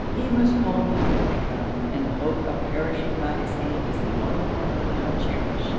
He must call me to an account; and the hope of perishing by his hand is the only one I now cherish.